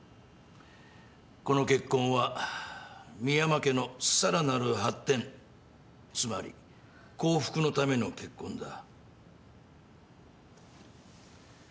この結婚は深山家のさらなる発展つまり幸福のための結婚だ。